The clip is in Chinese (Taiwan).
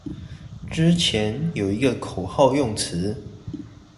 之前有一個口號用詞